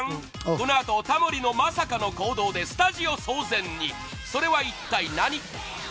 このあと、タモリのまさかの行動でスタジオ騒然にそれは一体何？